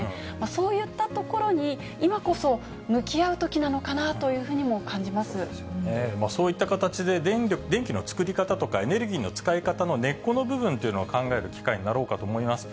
そういったところに今こそ向き合うときなのかなというふうにも感そういった形で、電気の作り方とかエネルギーの使い方の根っこの部分っていうのは、考える機会になろうかと思います。